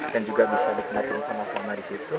dan juga bisa dikenalkan sama sama di situ